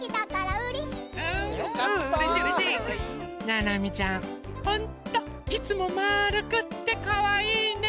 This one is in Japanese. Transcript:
ななみちゃんホントいつもまるくってかわいいね。